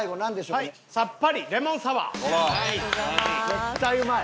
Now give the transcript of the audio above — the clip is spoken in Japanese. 絶対うまい！